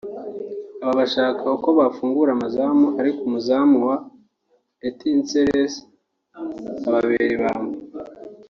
Aba bashaka uko bafungura amazamu ariko umuzamu wa Etincelles ababera ibamba